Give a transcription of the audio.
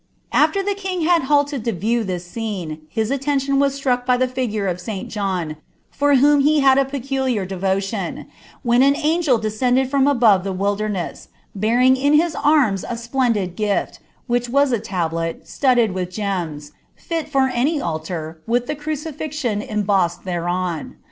lifter ilw king had hahcd to view this scene, his attention waa struck by thi figure of St. John, for whom he had a pecidiar devotion, when an u^ descended from above the wilderness, bearing in his hands a stdcmiil gift, which was a tablet, studded with gems, « fit for any altar,'' wi* the cniciSxion embossed thereon.